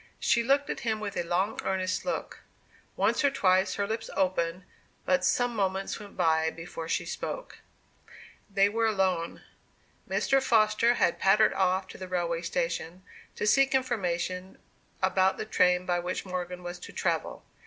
She looked at him with a long earnest look; once or twice her lips opened, but some moments went by before she spoke. They were alone. Mr. Foster had pattered off to the railway station, to seek for information about the train by which Morgan was to travel.